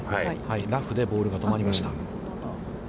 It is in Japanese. ラフでボールが止まりました。